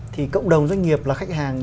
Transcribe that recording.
thì cộng đồng doanh nghiệp là khách hàng